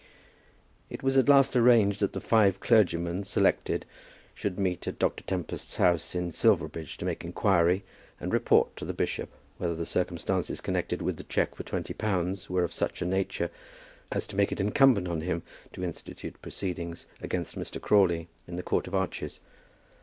It was at last arranged that the five clergymen selected should meet at Dr. Tempest's house in Silverbridge to make inquiry and report to the bishop whether the circumstances connected with the cheque for twenty pounds were of such a nature as to make it incumbent on him to institute proceedings against Mr. Crawley in the Court of Arches.